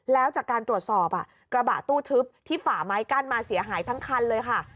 แล้วจากการตรวจสอบกระบะตู้ทึบที่ฝ่าไม้กั้นมาเสียหายทั้งคันเลยค่ะ